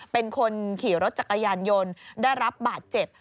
เป็นคนขี่รถจักรยานยนต์ได้รับบาดเจ็บ